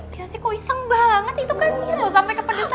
biasi kok iseng banget itu kasihan loh sampe ke pedesan kaya gitu